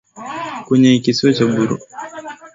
kwenye kisiwa cha Borneo Nchi nyingine zilizo karibu ni